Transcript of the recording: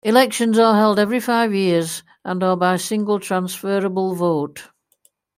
Elections are held every five years and are by single transferable vote.